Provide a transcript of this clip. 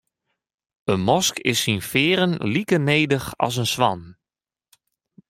In mosk is syn fearen like nedich as in swan.